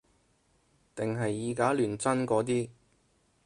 定係以假亂真嗰啲